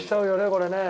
これね。